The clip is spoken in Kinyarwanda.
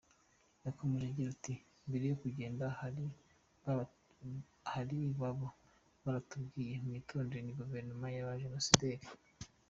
Yakomeje agira ati: “Mbere yo kugenda, ahari baba baratubwiye: mwitonde, ni guverinoma y’abajenosideri!